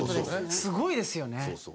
すごいですよね。